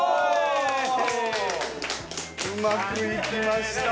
うまくいきました！